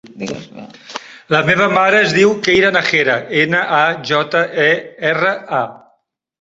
La meva mare es diu Keira Najera: ena, a, jota, e, erra, a.